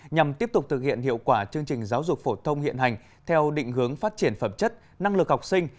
nhằm tiếp tục thực hiện hiệu quả chương trình giáo dục phổ thông hiện hành theo định hướng phát triển phẩm chất năng lực học sinh